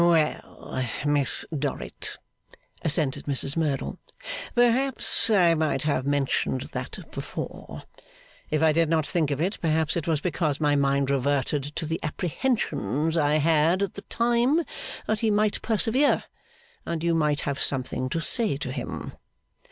'Well, Miss Dorrit,' assented Mrs Merdle, 'perhaps I might have mentioned that before. If I did not think of it, perhaps it was because my mind reverted to the apprehensions I had at the time that he might persevere and you might have something to say to him.